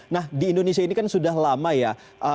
nah di indonesia ini kan sudah lama ya